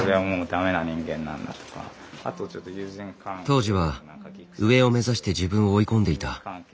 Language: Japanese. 当時は上を目指して自分を追い込んでいた。